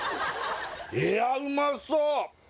いやうまそう！